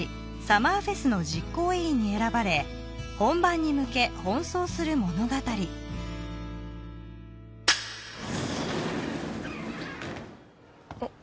サマーフェスの実行委員に選ばれ本番に向け奔走する物語よしあっ